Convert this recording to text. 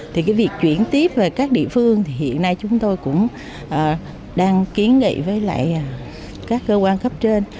thì cái việc chuyển tiếp về các địa phương thì hiện nay chúng tôi cũng đang kiến nghị với lại các cơ quan cấp trên